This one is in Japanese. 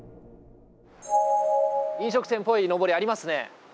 飲食店っぽいのぼり、ありますね。